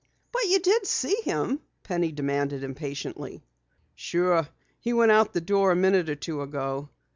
"But you did see him?" Penny demanded impatiently. "Sure, he went out the door a minute or two ago.